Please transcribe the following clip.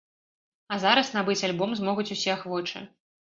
А зараз набыць альбом змогуць усе ахвочыя.